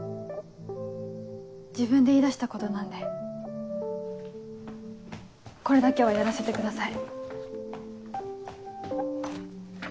自分で言いだしたことなんでこれだけはやらせてください。